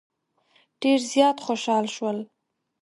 ډېر زیات خوشال شول.